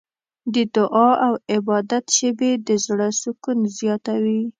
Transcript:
د دعا او عبادت شېبې د زړه سکون زیاتوي.